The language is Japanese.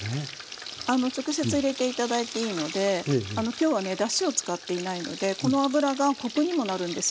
直接入れて頂いていいのできょうはねだしを使っていないのでこの油がコクにもなるんですよ。